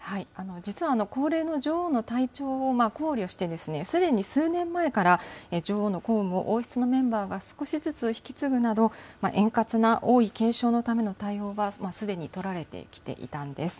実は高齢の女王の体調を考慮して、すでに数年前から女王の公務を王室のメンバーが少しずつ引き継ぐなど、円滑な王位継承のための対応がすでに取られてきていたんです。